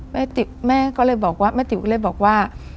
แม่ติ๋วก็เลยบอกว่า